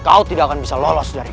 kau tidak akan bisa lolos dari